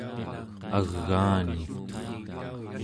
agaani